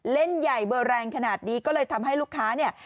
เล่นใหญ่เบอร์แรงขนาดนี้ก็เลยทำให้ลูกค้าเนี่ย